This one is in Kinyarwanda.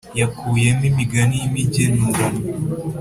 yakuyemo imigani y’imigenurano